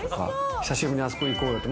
久しぶりにあそこに行こうよって